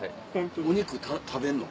お肉食べんの？